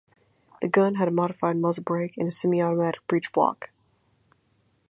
The gun had a modified muzzle brake and a semi-automatic breech block.